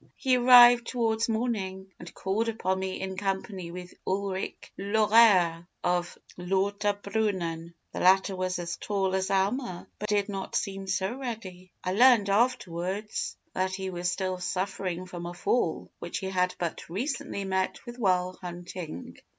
He arrived towards morning, and called upon me in company with Ulrich Lauerer, of Lauterbrunnen. The latter was as tall as Almer, but did not seem so ready. I learned afterwards that he was still suffering from a fall which he had but recently met with while hunting.